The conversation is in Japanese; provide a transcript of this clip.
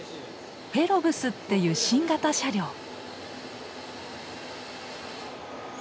フェロブスっていう新型車両。